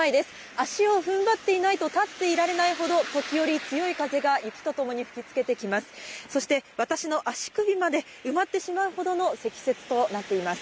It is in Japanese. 足を踏ん張っていないと立っていられないほど、時折強い風が雪と共に吹き付けてきます。